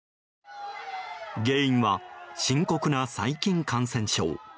原因は深刻な細菌感染症。